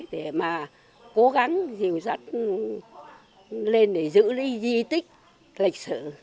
để mà cố gắng dìu dắt lên để giữ lý di tích lịch sử